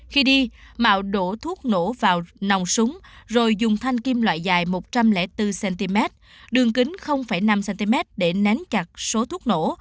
khi đi mạo đổ thuốc nổ vào nòng súng rồi dùng thanh kim loại dài một trăm linh bốn cm đường kính năm cm để nén chặt số thuốc nổ